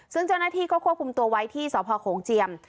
ซึ่งเจ้าหน้าที่ก็ควบคุมตัวไว้ที่สพโขงเจียม